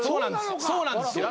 そうなんですよ。